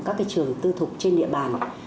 các cái trường tư thục trên địa bàn